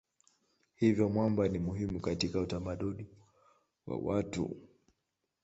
Hivyo mwamba ni muhimu katika utamaduni wa watu.